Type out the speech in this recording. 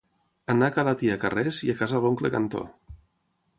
Anar a ca la tia Carrers i a casa l'oncle Cantó.